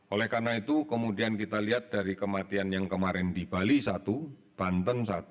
oleh karena itu kemudian kita lihat dari kematian yang kemarin di bali satu banten satu